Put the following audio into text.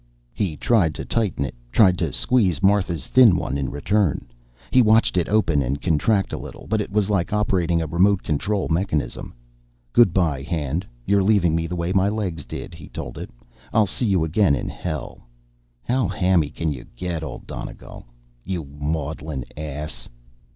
He tried to tighten it, tried to squeeze Martha's thin one in return. He watched it open and contract a little, but it was like operating a remote control mechanism. Goodbye, hand, you're leaving me the way my legs did, he told it. I'll see you again in hell. How hammy can you get, Old Donegal? You maudlin ass.